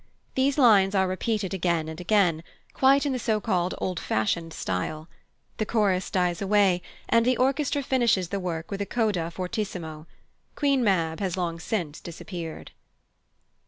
These lines are repeated again and again, quite in the so called old fashioned style; the chorus dies away; and the orchestra finishes the work with a coda fortissimo. Queen Mab has long since disappeared.